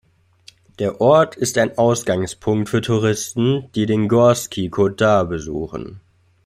Der Ort ist ein Ausgangspunkt für Touristen, die den Gorski kotar besuchen.